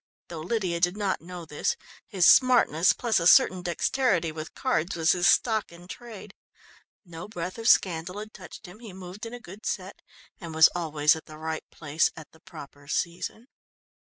Though Lydia did not know this, his smartness, plus a certain dexterity with cards, was his stock in trade. No breath of scandal had touched him, he moved in a good set and was always at the right place at the proper season.